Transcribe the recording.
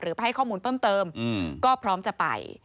ไปให้ข้อมูลเพิ่มเติมก็พร้อมจะไป